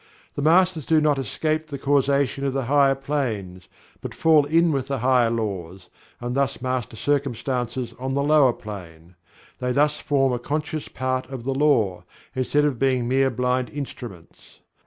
The Masters do not escape the Causation of the higher planes, but fall in with the higher laws, and thus master circumstances on the lower plane. They thus form a conscious part of the Law, instead of being mere blind instruments.